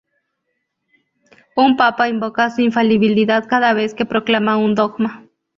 Un papa invoca su infalibilidad cada vez que proclama un dogma.